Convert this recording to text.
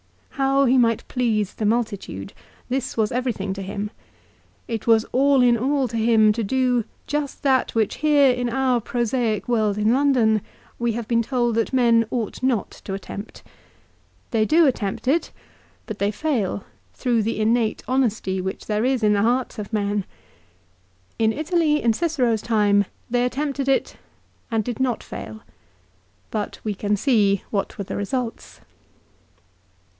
How he might please the multitude ; this was everything to him. It was all in all to him to do just that which here in our prosaic world in London we have been told that men ought not to attempt. They do attempt it; but they fail, through the innate honesty which there is in the hearts of men. In Italy, in Cicero's time, they attempted it and did not fail. But we can see what were the results.